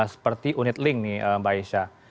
seperti unit link nih mbak aisyah